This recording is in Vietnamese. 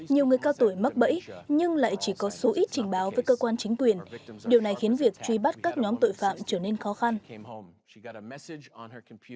nhiều người cao tuổi mắc bẫy nhưng lại chỉ có số ít trình báo với cơ quan chính quyền điều này khiến việc truy bắt các nhóm tội phạm trở nên khó khăn